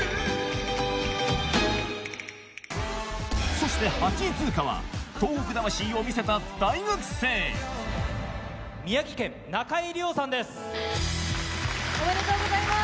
そして８位通過は東北魂を見せた大学生おめでとうございます。